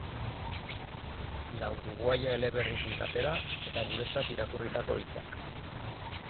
La uruguaya eleberritik atera, eta guretzat irakurritako hitzak.